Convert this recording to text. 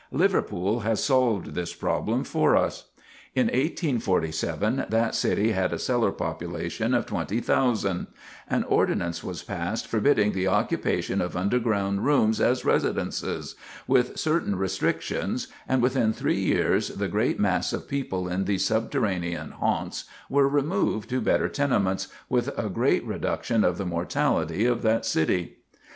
Liverpool has solved this problem for us. In 1847 that city had a cellar population of 20,000; an ordinance was passed forbidding the occupation of underground rooms as residences, with certain restrictions, and within three years the great mass of people in these subterranean haunts were removed to better tenements, with a great reduction of the mortality of the city.